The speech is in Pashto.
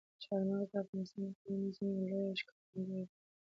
چار مغز د افغانستان د اقلیمي نظام یوه لویه ښکارندوی ده.